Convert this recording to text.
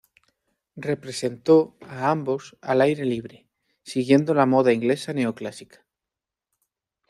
Representó a ambos al aire libre, siguiendo la moda inglesa neoclásica.